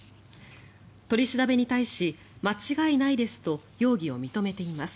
取り調べに対し間違いないですと容疑を認めています。